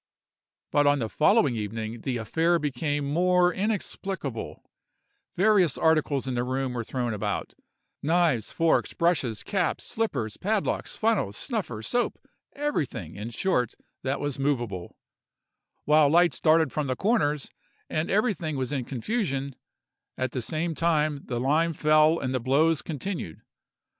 But on the following evening the affair became more inexplicable: various articles in the room were thrown about; knives, forks, brushes, caps, slippers, padlocks, funnel, snuffers, soap—everything, in short, that was moveable; while lights darted from the corners, and everything was in confusion; at the same time, the lime fell and the blows continued.